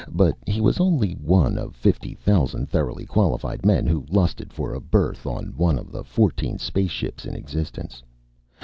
But he was only one of fifty thousand thoroughly qualified men who lusted for a berth on one of the fourteen spaceships in existence.